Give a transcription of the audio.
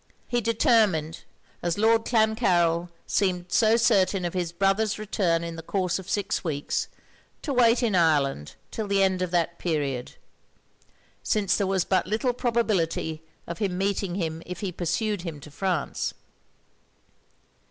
He determined, as Lord Clancarryl seemed so certain of his brother's return in the course of six weeks, to wait in Ireland 'till the end of that period, since there was but little probability of his meeting him if he pursued him to France.